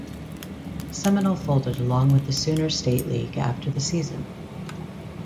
Seminole folded along with the Sooner State League after the season.